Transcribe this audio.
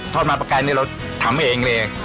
ทอดมันปลากรายนี่เราทำเองเลย